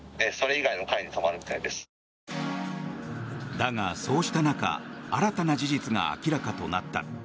だが、そうした中新たな事実が明らかとなった。